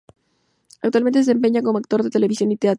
Actualmente se desempeña como actor de televisión y teatro.